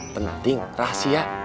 tenang ting rahasia